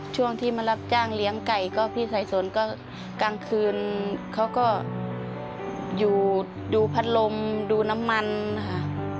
ช่วงที่มารับจ้างเลี้ยงไก่ก็พี่สายสนก็กลางคืนเขาก็อยู่ดูพัดลมดูน้ำมันค่ะ